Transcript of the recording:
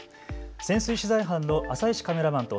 潜水取材班の浅石カメラマンと